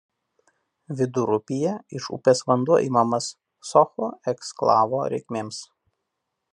Vidurupyje iš upės vanduo imamas Socho eksklavo reikmėms.